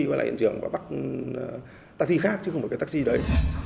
quay lại hiện trường và bắt taxi khác chứ không phải cái taxi đấy